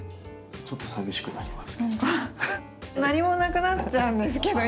ちょっと寂しくなりますけど。